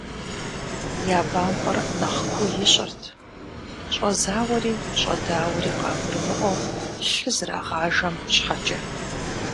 Я бампӀэр нэхъ куу ищӀырт щӀэзауэри щӀэдауэри къагурымыӀуэу лъы зэрагъажэм щхьэкӏэ.